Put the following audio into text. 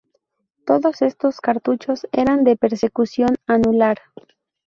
Todos estos cartuchos eran de percusión anular.